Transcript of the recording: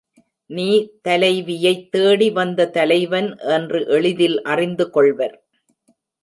நீ தலைவி யைத் தேடி வந்த தலைவன் என்று எளிதில் அறிந்து கொள்வர்.